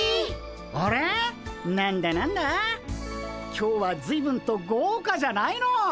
今日はずいぶんとごうかじゃないの！